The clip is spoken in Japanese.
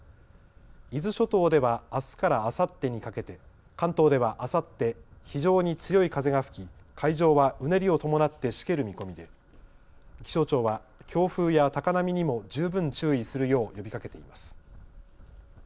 伊豆諸島ではあすからあさってにかけて、関東ではあさって非常に強い風が吹き、海上はうねりを伴ってしける見込みで気象庁は強風や高波にも十分注意するよう呼びかけています。